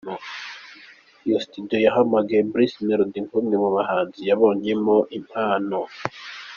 Iyo studio yahamagaye Bruce Melody nk’umwe mubahanzi yabonyeho impano.